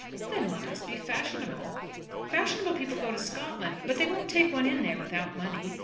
"Then let us be fashionable." "Fashionable people go to Scotland, but they won't take one in there without money.